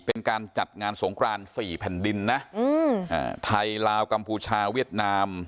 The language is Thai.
เป็นการจัดงานสงคราน๔แผ่นดินนะไทยลาวกัมพูชาเวียดนาม